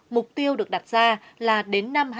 mục tiêu được đặt ra là đến năm hai nghìn hai mươi